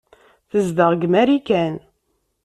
Tezdeɣ deg Marikan.